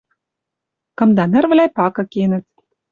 Кымда нырнавлӓ пакы кенӹт.